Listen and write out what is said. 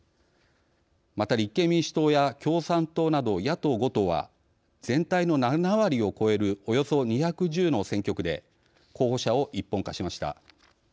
また、立憲民主党や共産党など野党５党は全体の７割を超えるおよそ２１０の選挙区で候補者を一本化しました。